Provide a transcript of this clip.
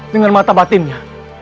dengan mata batinnya